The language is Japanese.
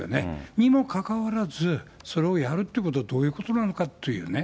にもかかわらず、それをやるっていうことはどういうことなのかというね。